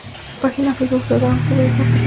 Página Facebook: "Botafogo Futebol Clube Cabo Verde"